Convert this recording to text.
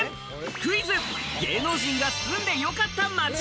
クイズ芸能人が住んでよかった街！